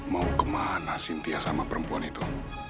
mau kemana sintia sama perempuan itu